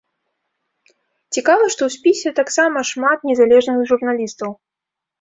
Цікава, што ў спісе таксама шмат незалежных журналістаў.